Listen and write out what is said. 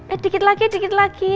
eh dikit lagi dikit lagi